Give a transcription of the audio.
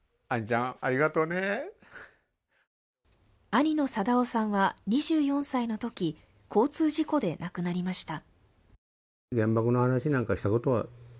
兄の定男さんは、２４歳のとき交通事故で亡くなりました。